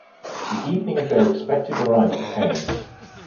The evening of their expected arrival came.